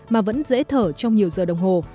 mà vẫn dễ thở trong nhiều giờ đồng hồ